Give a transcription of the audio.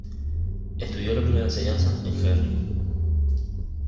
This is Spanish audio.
Estudió la primera enseñanza en Gerri.